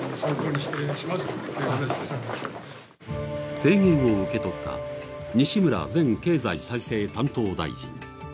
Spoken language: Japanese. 提言を受け取った西村前経済再生担当大臣。